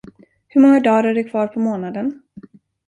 Hur många dar är det kvar på månaden?